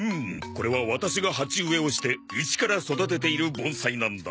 これはワタシが鉢植えをして一から育てている盆栽なんだよ。